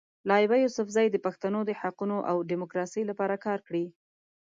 لایبا یوسفزۍ د پښتنو د حقونو او ډیموکراسۍ لپاره کار کړی.